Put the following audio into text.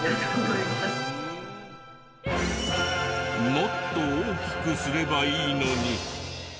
もっと大きくすればいいのに。